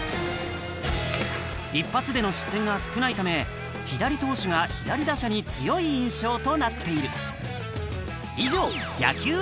一発での失点が少ないため、左投手が左打者に強い印象となっている。